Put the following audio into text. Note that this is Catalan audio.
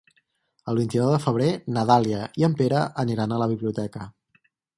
El vint-i-nou de febrer na Dàlia i en Pere aniran a la biblioteca.